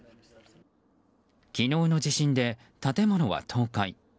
昨日の地震で建物は倒壊。